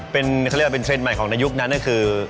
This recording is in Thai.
เป็นเขาเรียกว่าเป็นเทรนด์ใหม่ของในยุคนั้นก็คือ